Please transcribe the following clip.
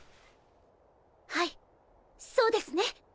はいそうですね。